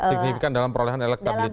signifikan dalam perolehan elektabilitas